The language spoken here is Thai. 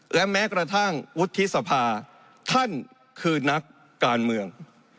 และแม้กระทั่งวุฒิสภาท่านคือนักการเมือง